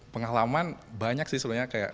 pengalaman banyak sih sebenarnya